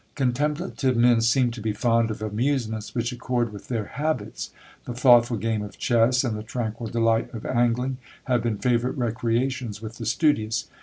Contemplative men seem to be fond of amusements which accord with their habits. The thoughtful game of chess, and the tranquil delight of angling, have been favourite recreations with the studious.